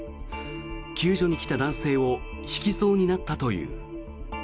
救助に来た男性をひきそうになったという。